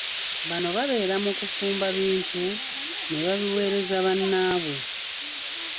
Bano babeera mu kufumba bintu ne babiweereza bannaabwe.